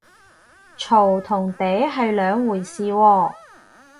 嘈同嗲係兩回事喎